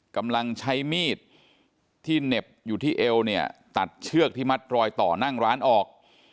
กำลังใช้มีดที่เหน็บอยู่ที่เอวเนี่ยตัดเชือกที่มัดรอยต่อนั่งร้านออก